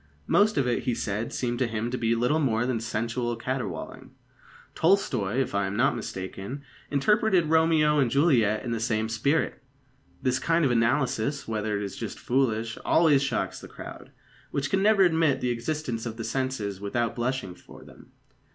Most of it, he said, seemed to him to be little more than sensual caterwauling. Tolstoi, if I am not mistaken, interpreted Romeo and Juliet in the same spirit. This kind of analysis, whether it is just or foolish, always shocks the crowd, which can never admit the existence of the senses without blushing for them.